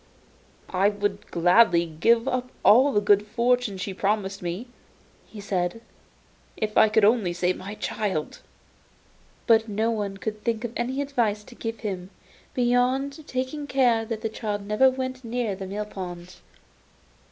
'I would gladly give up all the good fortune she promised me,' he said, 'if I could only save my child.' But no one could think of any advice to give him, beyond taking care that the child never went near the mill pond.